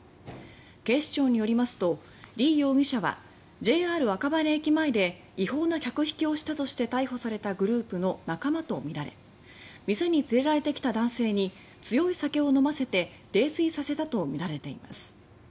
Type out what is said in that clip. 警視庁によりますとリ容疑者はＪＲ赤羽駅前で違法な客引きをしたとして逮捕されたグループの仲間とみられ店に連れられてきた男性に強い酒を飲ませて泥酔させたとみられています。